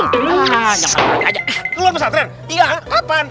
keluar pesantren iya kapan